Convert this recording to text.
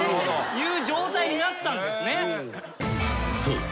［そう］